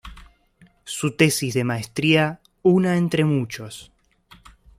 Su tesis de maestría "Una entre muchos.